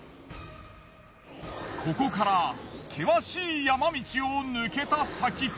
ここから険しい山道を抜けた先。